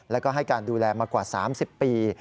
แล้วก็ให้การดูแลมากว่า๓๐ปี